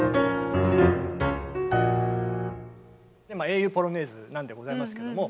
「英雄ポロネーズ」なんでございますけども。